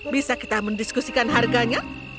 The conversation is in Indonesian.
bisa kita mendiskusikan harganya